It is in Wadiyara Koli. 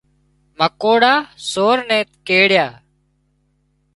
مڪوڙا سور نين ڪيڙيا